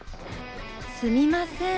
すみません